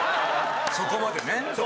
⁉そこまでね。